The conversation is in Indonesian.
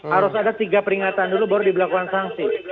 harus ada tiga peringatan dulu baru diberlakukan sanksi